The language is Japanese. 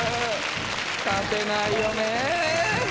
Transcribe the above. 勝てないよね。